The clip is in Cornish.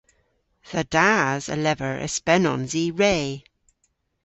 Dha das a lever y spenons i re.